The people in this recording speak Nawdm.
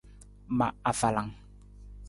Ma afalang.